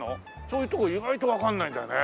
そういうとこ意外とわかんないんだよね。